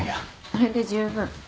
それで十分。